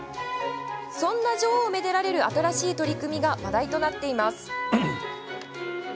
そんな女王をめでられる新しい取り組みが話題となっています。